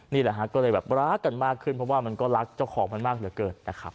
นี่แหละฮะก็เลยแบบรักกันมากขึ้นเพราะว่ามันก็รักเจ้าของมันมากเหลือเกินนะครับ